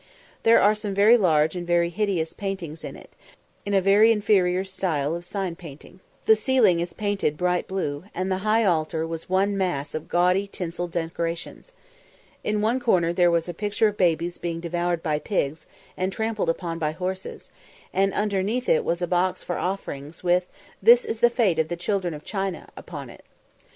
There are some very large and very hideous paintings in it, in a very inferior style of sign painting. The ceiling is painted bright blue, and the high altar was one mass of gaudy tinsel decoration. In one corner there was a picture of babies being devoured by pigs, and trampled upon by horses, and underneath it was a box for offerings, with "This is the fate of the children of China" upon it.